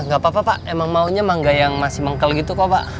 gapapa pak emang maunya mangga yang masih mengkel gitu kok pak